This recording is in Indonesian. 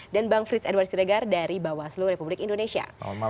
dan bang frits edward siregar dari bawaslu republik indonesia